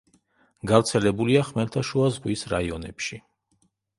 გავრცელებულია ხმელთაშუა ზღვის რაიონებში.